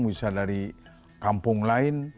bisa dari kampung lain